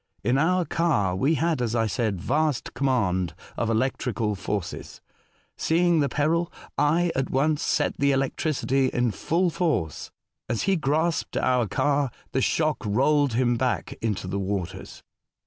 In our car we had, as I said, vast command of electrical forces. Seeing the peril, I at once set the electricity in full force. As he grasped our car, the shock rolled him back into the waters.